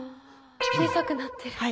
小さくなってる。